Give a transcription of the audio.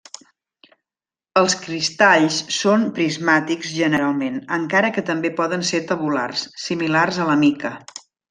Els cristalls són prismàtics generalment, encara que també poden ser tabulars, similars a la mica.